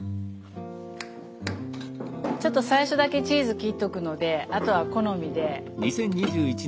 ちょっと最初だけチーズ切っとくのであとは好みで。